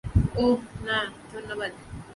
ওহ, না, ধন্যবাদ।